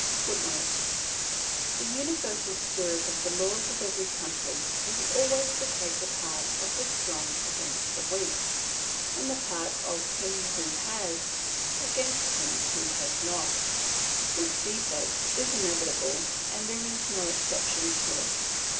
[Footnote: The universal spirit of the laws of every country is always to take the part of the strong against the weak, and the part of him who has against him who has not; this defect is inevitable, and there is no exception to it.